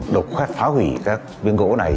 độc khuất phá hủy các viên gỗ này